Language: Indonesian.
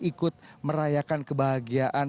ikut merayakan kebahagiaan